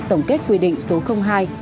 tổng kết quy định số hai hai nghìn một